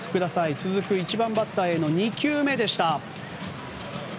続く１番バッターへの２球目でした。